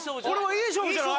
いい勝負じゃない？